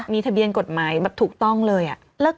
มีทะเบียนกฎหมายแบบถูกต้องเลย